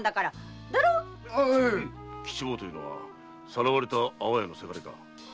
吉坊というのはさらわれた安房屋のせがれか。